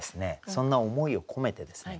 そんな思いを込めてですね